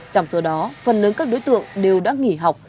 trong số đó phần lớn các đối tượng đều đã nghỉ học